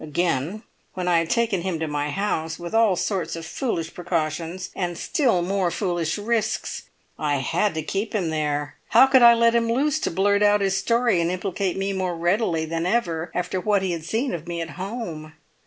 Again, when I had taken him to my house, with all sorts of foolish precautions, and still more foolish risks, I had to keep him there. How could I let him loose to blurt out his story and implicate me more readily than ever after what he had seen of me at home?